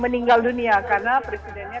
meninggal dunia karena presidennya